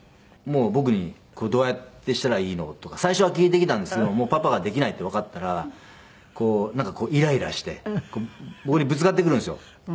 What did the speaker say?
もう僕に「これどうやってしたらいいの？」とか最初は聞いてきたんですけどもうパパができないってわかったらこうなんかイライラして僕にぶつかってくるんですよ。